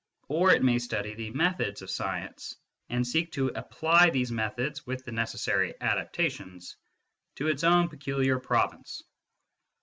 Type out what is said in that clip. Or it may study the methods of science, and seek to apply these methods, with the necessary adaptations, to its own peculiar province.